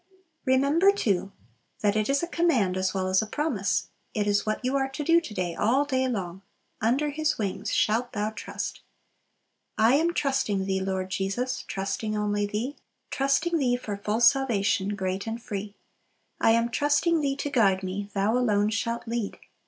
Remember, too, that it is a command as well as a promise; it is what you are to do to day, all day long: "Under His wings shalt thou trust!" "I am trusting Thee, Lord Jesus, Trusting only Thee! Trusting Thee for full salvation, Great and free. "I am trusting Thee to guide me, Thou alone shalt lead!